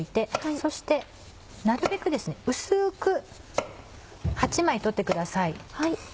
そしてなるべくですね薄く８枚取ってください。